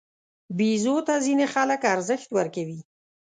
بیزو ته ځینې خلک ارزښت ورکوي.